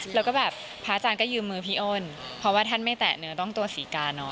แล้วก็แบบพระอาจารย์ก็ยืมมือพี่อ้นเพราะว่าท่านไม่แตะเนื้อต้องตัวศรีกาเนอะ